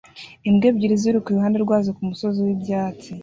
Imbwa ebyiri ziruka iruhande rwazo kumusozi wibyatsi